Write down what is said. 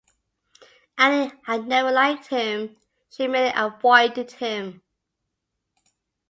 Annie had never liked him; she merely avoided him.